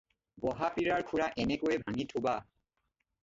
বহা পীৰাৰ খুৰা এনেকৈ ভাঙি থ'বা।